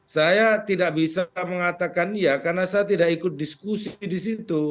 saya tidak bisa mengatakan iya karena saya tidak ikut diskusi di situ